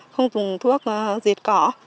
không dùng thuốc diệt cỏ